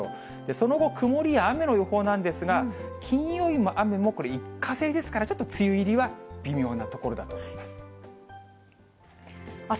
その後、曇りや雨の予報なんですが、金曜日の雨も、これ、一過性ですから、ちょっと梅雨入りは微妙なところだと思います。